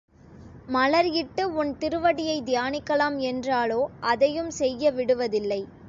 மலர் இட்டு உன் திருவடியைத் தியானிக்கலாம் என்றாலோ, அதையும் செய்ய விடுவதில்லை.